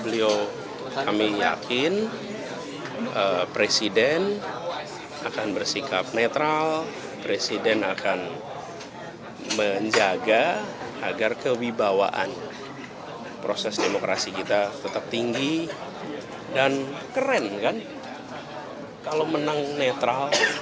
beliau kami yakin presiden akan bersikap netral presiden akan menjaga agar kewibawaan proses demokrasi kita tetap tinggi dan keren kan kalau menang netral